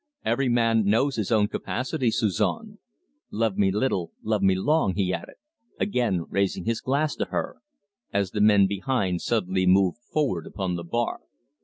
"Every man knows his own capacity, Suzon. Love me little, love me long," he added, again raising his glass to her, as the men behind suddenly moved forward upon the bar.